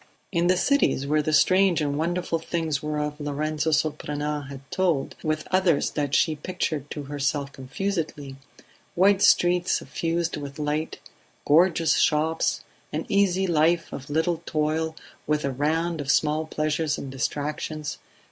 . In the cities were the strange and wonderful things whereof Lorenzo Surprenant had told, with others that she pictured to herself confusedly: wide streets suffused with light, gorgeous shops, an easy life of little toil with a round of small pleasures and distractions.